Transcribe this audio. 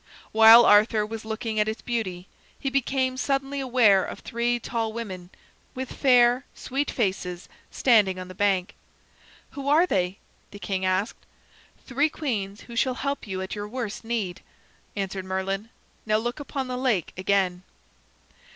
While Arthur was looking at its beauty, he became suddenly aware of three tall women, with fair, sweet faces, standing on the bank. "Who are they?" the king asked. "Three queens who shall help you at your worst need," answered Merlin. "Now look out upon the lake again."